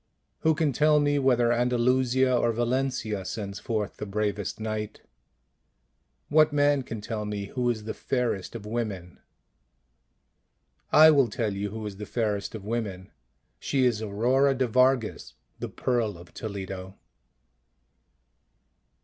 Who can tell me whether Andalusia or Valencia sends forth the bravest knight? What man can tell me who is the fairest of women? I will tell you who is the fairest of women. She is Aurora de Vargas, the Pearl of Toledo.